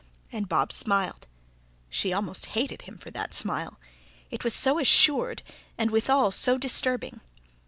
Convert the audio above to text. And Bob smiled. She almost hated him for that smile. It was so assured, and withal so disturbing.